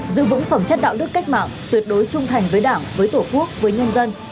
giữ vững phẩm chất đạo đức cách mạng tuyệt đối trung thành với đảng với tổ quốc với nhân dân